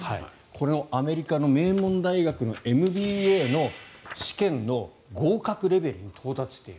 アメリカの名門大学のＭＢＡの試験の合格レベルに到達している。